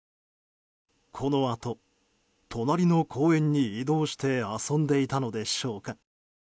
このあと、隣の公園に移動して遊んでいたのでしょうか。